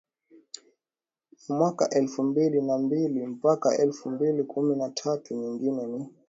ya mwaka elfu mbili na mbili mpaka elfu mbili kumi na tatu Nyingine ni